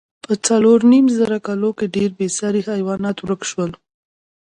په څلورو نیم زره کلو کې ډېری بېساري حیوانات ورک شول.